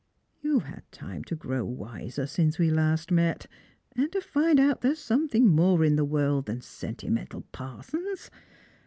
You've had time to grow wiser since we last met, and to find out that there's something more in the world than sentimental parsons.